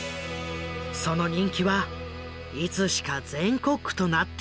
その人気はいつしか全国区となっていった。